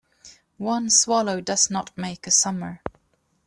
One swallow does not make a summer.